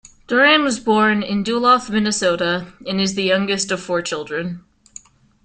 Doran was born in Duluth, Minnesota and is the youngest of four children.